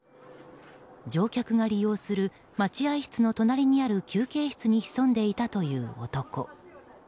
乗客が利用する待合室の隣にある休憩室に潜んでいたという男。